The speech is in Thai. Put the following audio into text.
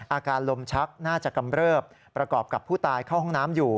อาการลมชักน่าจะกำเริบประกอบกับผู้ตายเข้าห้องน้ำอยู่